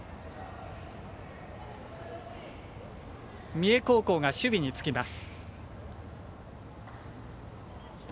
三重高校が守備につきます。